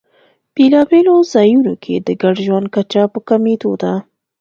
بېلابېلو ځایونو کې د ګډ ژوند کچه په کمېدو ده.